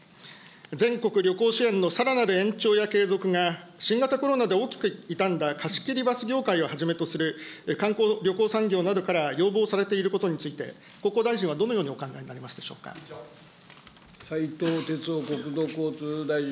全国旅行支援のさらなる延長や継続が、新型コロナで大きく傷んだ貸し切りバス業界をはじめとする観光・旅行産業などから、要望されていることについて、国交大臣はどのようにお考えになりますで斉藤鉄夫国土交通大臣。